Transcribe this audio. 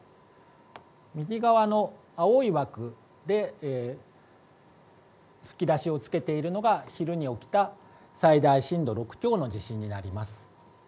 右側の青い枠でふきだしを付けているのが昼に起きた最大震度６強の地震になります。